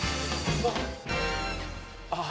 あっ。